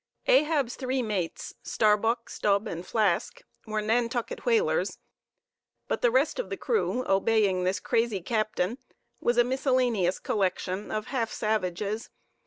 Ahab's three mates, Starbuck, Stubb and Flask, were Nantucket whalers. But the rest of the crew obeying this crazy captain was a miscellaneous collection of half savages.